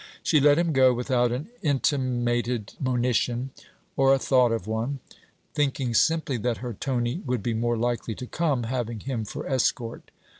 She let him go without an intimated monition or a thought of one; thinking simply that her Tony would be more likely to come, having him for escort.